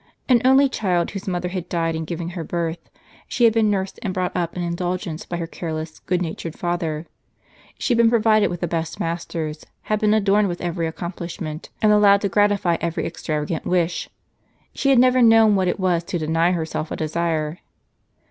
An only child, whose mother had died in giving her birth, she had been nursed and brought up in indulgence by her careless, good natured father; she had been provided with the best masters, had been adorned with every accomplishment, and allowed to gratify every extravagant Avish. She had never known what it was to deny herself a desire.